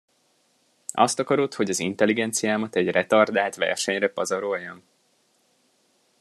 Azt akarod, hogy az intelligenciámat egy retardált versenyre pazaroljam?